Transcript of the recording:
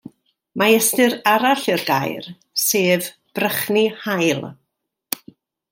Mae ystyr arall i'r gair, sef brychni haul.